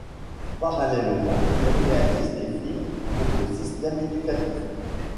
Parallèlement, il réalise des films pour le système éducatif.